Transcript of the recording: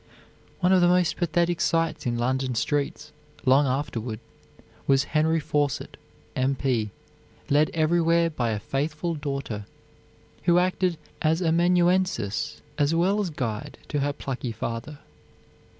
One of the most pathetic sights in London streets, long afterward, was Henry Fawcett, M. P., led everywhere by a faithful daughter, who acted as amanuensis as well as guide to her plucky father.